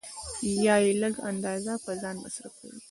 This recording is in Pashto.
یا یې لږ اندازه په ځان مصرفوي